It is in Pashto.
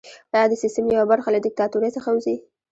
ایا د سیستم یوه برخه له دیکتاتورۍ څخه وځي؟